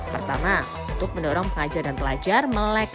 pertama untuk mendorong pelajar dan pelajar melek